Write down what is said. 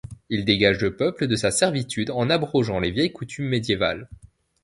Il dégage le peuple de sa servitude en abrogeant les vieilles coutumes médiévales.